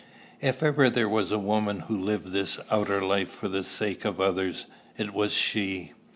If ever there was a woman who lived this outer life for the sake of others, it was she.